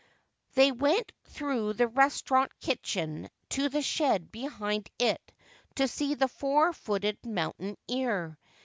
327 They went through the restaurant kitchen to the shed behind it, to see the four footed mountaineer.